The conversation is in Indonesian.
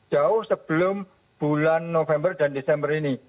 jauh sebelum bulan november dan desember ini